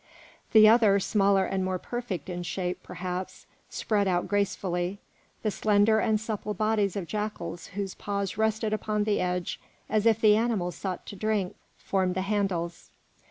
The other, smaller and more perfect in shape perhaps, spread out gracefully; the slender and supple bodies of jackals whose paws rested upon the edge as if the animals sought to drink, formed the handles.